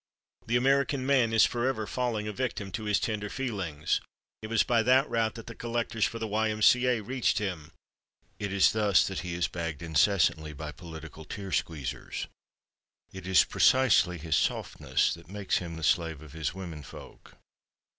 The American man is forever falling a victim to his tender feelings. It was by that route that the collectors for the Y. M. C. A. reached him; it is thus that he is bagged incessantly by political tear squeezers; it is precisely his softness that makes him the slave of his women folk.